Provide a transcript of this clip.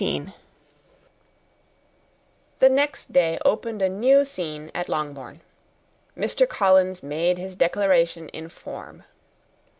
The next day opened a new scene at Longbourn. Mr. Collins made his declaration in form.